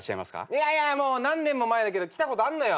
いやいやもう何年も前だけど来たことあんのよ。